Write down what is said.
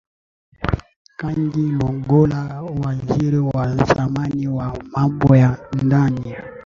Kangi Lugola Waziri wa zamani wa Mambo ya Ndani